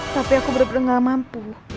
tapi aku bener bener gak mampu